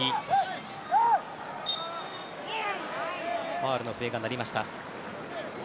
ファウルの笛が鳴りました。